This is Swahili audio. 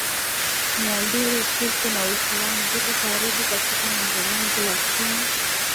Mia mbili Ukristo na Uislamu viko karibu katika mambo mengi lakini